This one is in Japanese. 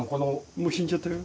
もう死んじゃったよ。